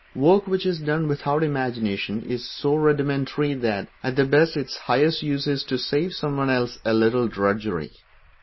Work which is done without imagination is so rudimentary that, at the best, its highest use is to save some one else a little drudgery.